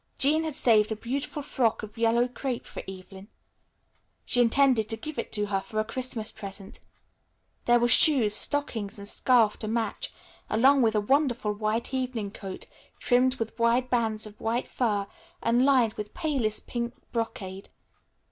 Jean had saved a beautiful frock of yellow crêpe for Evelyn. She intended to give it to her for a Christmas present. There were shoes, stockings and scarf to match, along with a wonderful white evening coat, trimmed with wide bands of white fur and lined with palest pink brocade.